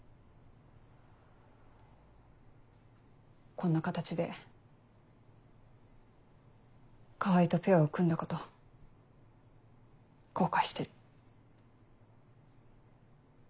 こんな形で川合とペアを組んだこと後悔してる。